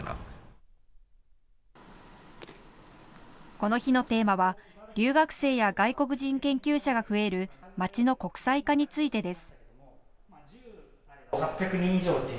この日のテーマは留学生や外国人研究者が増える街の国際化についてです。